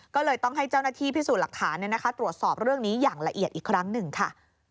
ก็เลยต้องให้เจ้าหน้าที่พิสูจน์หลักฐานตรวจสอบเรื่องนี้อย่างละเอียดอีกครั้งหนึ่งค่ะ